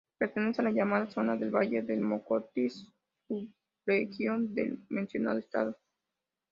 Pertenece a la llamada Zona del Valle del Mocotíes, subregión del mencionado estado.